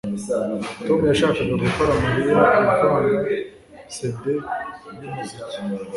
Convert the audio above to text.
Tom yashakaga gukora Mariya ivanga CD yumuziki